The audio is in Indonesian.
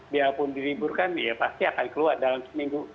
biarpun diliburkan ya pasti akan keluar dalam seminggu